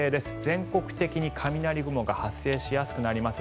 全国的に雷雲が発生しやすくなります。